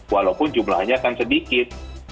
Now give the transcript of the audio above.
walaupun jumlahnya akan sedikit